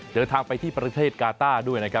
เดินทางไปที่ประเทศกาต้า